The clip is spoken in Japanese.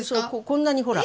こんなにほら。